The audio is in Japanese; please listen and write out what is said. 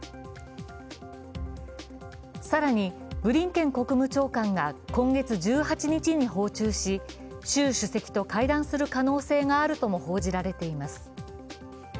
更にブリンケン国務長官が今月１８日に訪中し習主席と会談する可能性があるとも報じられています。